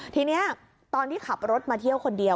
ทีนี้ตอนที่ขับรถมาเที่ยวคนเดียว